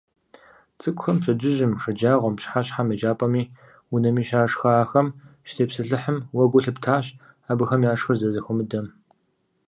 ЦӀыкӀухэм пщэдджыжьым, шэджагъуэм, пщыхьэщхьэм еджапӀэми унэми щашхахэм щытепсэлъыхьым, уэ гу лъыптащ, абыхэм яшхыр зэрызэхуэмыдэм.